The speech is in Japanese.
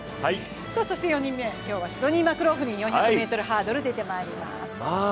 そして、４人目シドニー・マクローフリン４００ｍハードル出てまいります。